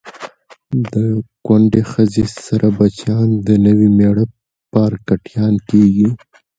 د کونډی خځی سره بچیان د نوي میړه پارکټیان کیږي